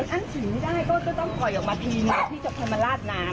อันฉีดไม่ได้ก็จะต้องปล่อยออกมาทีนะที่จะเคยมาลาดน้ำ